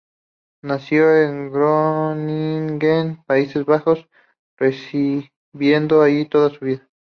Nació en Groningen, Países Bajos, residiendo allí toda su vida.